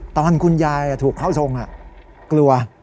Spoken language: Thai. ตอนคุณยายถูกเข้าทรงกลัว